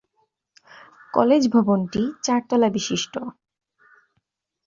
College ভবনটি চার তলা বিশিষ্ট।